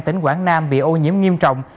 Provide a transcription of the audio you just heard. tỉnh quảng nam bị ô nhiễm nghiêm trọng